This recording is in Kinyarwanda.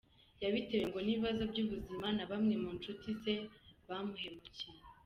Yabitewe ngo n’ibibazo by’ubizima na bamwe mu nshuti ze bamuhemukiye.